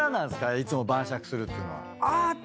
いつも晩酌するっつうのは。